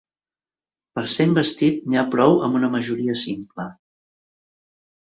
Per a ser investit n’hi ha prou amb una majoria simple.